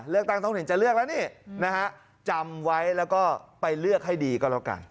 เลือกตั้งต้องเห็นจะเลือกแล้วนี่จำไว้แล้วก็ไปเลือกให้ดีก็แล้วกัน